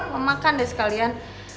mau makan deh sekalian